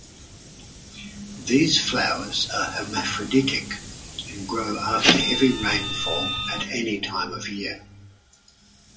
These flowers are hermaphroditic and grow after heavy rainfall at any time of year.